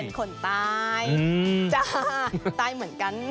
คนตายจ้าตายเหมือนกัน